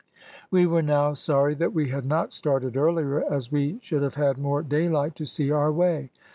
"We were now sorry that we had not started earlier, as we should have had more daylight to see our way.